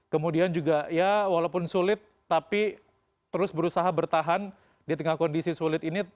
kemudian juga ya walaupun sulit tapi terus berusaha bertahan di tengah kondisi sulit ini